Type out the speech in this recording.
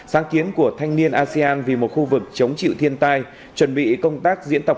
sáng kiến của thanh niên asean vì một khu vực chống chịu thiên tai chuẩn bị công tác diễn tập